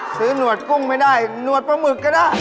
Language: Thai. หนวดกุ้งไม่ได้หนวดปลาหมึกก็ได้